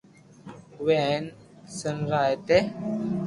اُو وي ھين س نا ا تي